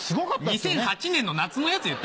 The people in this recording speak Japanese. ２００８年の夏のやつ？